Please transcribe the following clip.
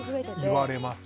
言われます。